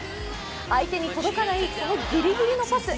相手に届かないこのギリギリのパス。